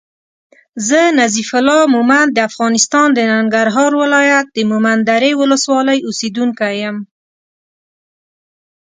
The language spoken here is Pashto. زه نظیف الله مومند د افغانستان د ننګرهار ولایت د مومندرې ولسوالی اوسېدونکی یم